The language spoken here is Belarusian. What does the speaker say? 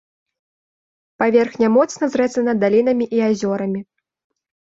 Паверхня моцна зрэзана далінамі і азёрамі.